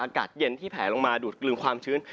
อากาศเย็นที่แผลลงมาดูดกลึงความชื้น